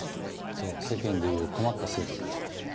そう世間でいう困った生徒たちだ。